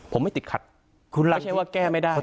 ผมไม่ติดขัดไม่ใช่ว่าแก้ไม่ได้